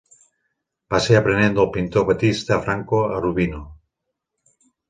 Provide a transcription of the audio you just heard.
Va ser aprenent del pintor Battista Franco a Urbino.